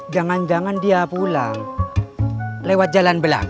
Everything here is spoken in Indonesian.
jangan jangan dia pulang lewat jalan belang